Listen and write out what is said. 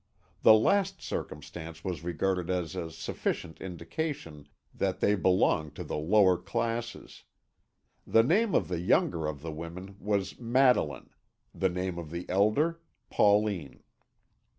The last circumstance was regarded as a sufficient indication that they belonged to the lower classes. The name of the younger of the women was Madeline, the name of the elder Pauline.